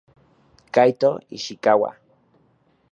Kaito Ishikawa